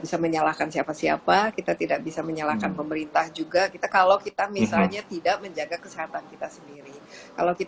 bisa menyalahkan siapa siapa kita tidak bisa menyalahkan pemerintah juga kita kalau kita misalnya